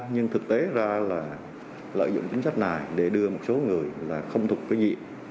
nhưng thực tế ra là lợi dụng chính sách này để đưa một số người không thuộc cái diện